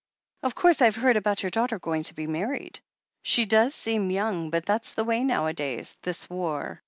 "Of course, I've heard about your daughter going to be married. She does seem young, but that's the way nowadays. This war